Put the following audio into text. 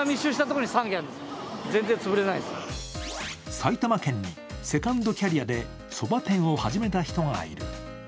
埼玉県にセカンドキャリアでそば店を始めた人がいる。